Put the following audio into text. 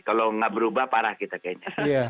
kalau nggak berubah parah kita kayaknya